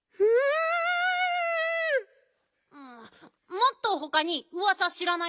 もっとほかにうわさしらないの？